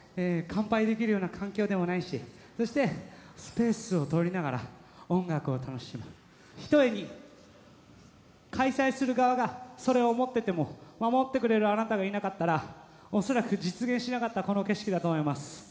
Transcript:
乾杯できるような環境でもないしそしてスペースを取りながら音楽を楽しむひとえに開催する側がそれを思ってても守ってくれるあなたがいなかったら恐らく実現しなかったこの景色だと思います。